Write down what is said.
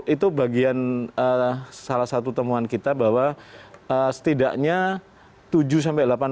itu bagian salah satu temuan kita bahwa setidaknya tujuh delapan partai itu bisa ditambah